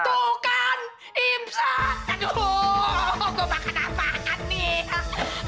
aduh gua makan apaan nih